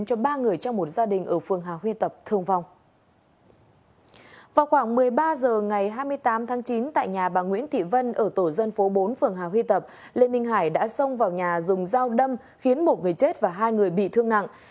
tám tháng chín tại nhà bà nguyễn thị vân ở tổ dân phố bốn phường hà huy tập lê minh hải đã xông vào nhà dùng dao đâm khiến một người chết và hai người bị thương nặng